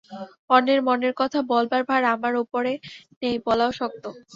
অন্যের মনের কথা বলবার ভার আমার উপরে নেই, বলাও শক্ত।